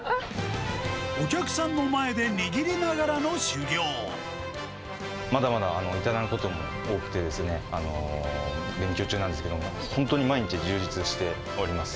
お客さんの前で握りながらのまだまだ至らぬことも多くてですね、勉強中なんですけど、本当に毎日、充実しております。